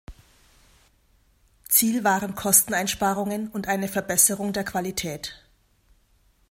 Ziel waren Kosteneinsparungen und eine Verbesserung der Qualität.